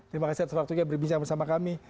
terima kasih atas waktunya berbincang bersama kami